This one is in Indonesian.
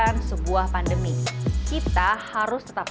ada beberapa hal yang harus anda lakukan